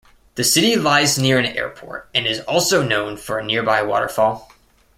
The city lies near an airport and is also known for a nearby waterfall.